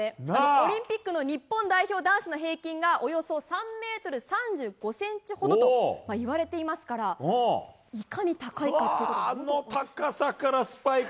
オリンピックの日本代表男子の平均がおよそ３ｍ３５ｃｍほどといわれていますからあの高さからスパイク。